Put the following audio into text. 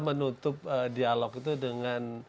menutup dialog itu dengan